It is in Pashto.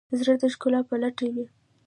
زړه د ښکلا په لټه وي.